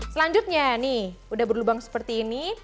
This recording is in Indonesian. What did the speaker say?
selanjutnya nih udah berlubang seperti ini